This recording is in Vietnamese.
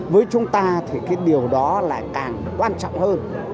với chúng ta thì cái điều đó lại càng quan trọng hơn